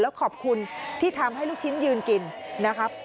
แล้วขอบคุณที่ทำให้ลูกชิ้นยืนกินนะครับ